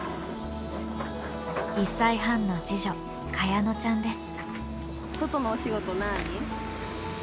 １歳半の次女香乃ちゃんです。